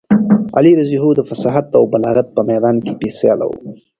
علي رض د فصاحت او بلاغت په میدان کې بې سیاله و.